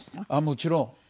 もちろん。